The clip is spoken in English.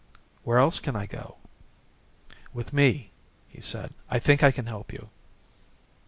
"Where else can I go?" "With me," he said. "I think I can help you."